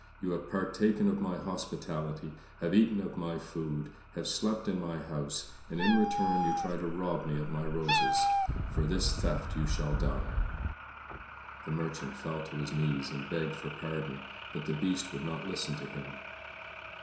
You have partaken of my hospitality, have eaten of my food, have slept in my house, and in return you try to rob me of my roses. For this theft you shall die!" The Merchant fell on his knees and begged for pardon, but the Beast would not listen to him.